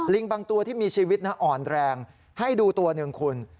บางตัวที่มีชีวิตนะอ่อนแรงให้ดูตัวหนึ่งคุณ